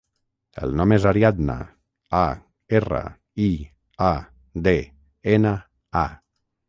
El nom és Ariadna: a, erra, i, a, de, ena, a.